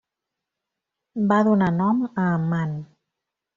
Va donar nom a Amman.